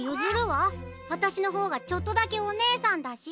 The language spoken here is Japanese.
わたしのほうがちょっとだけおねえさんだし。